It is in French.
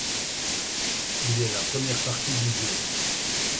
Il est la première partie du jeu.